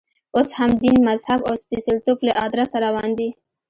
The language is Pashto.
اوس هم دین، مذهب او سپېڅلتوب له ادرسه روان دی.